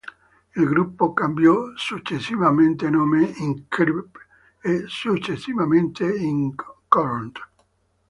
Il gruppo cambiò successivamente nome in Creep e successivamente in Korn.